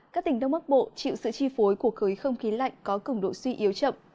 các tỉnh đông bắc bộ chịu sự chi phối của khối không khí lạnh có cứng độ suy yếu chậm